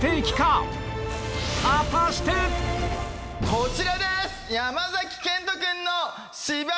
こちらです！